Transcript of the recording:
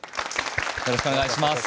よろしくお願いします。